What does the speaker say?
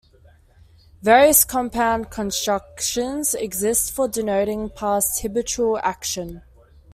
Various compound constructions exist for denoting past habitual action.